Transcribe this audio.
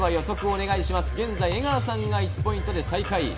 現在、江川さんが１ポイントで最下位。